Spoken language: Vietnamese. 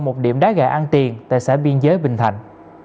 một điểm đá gà ăn tiền tại xã biên giới bình thạnh